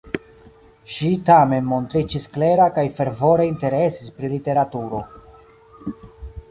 Ŝi tamen montriĝis klera kaj fervore interesis pri literaturo.